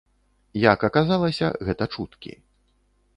Як аказалася, гэта чуткі.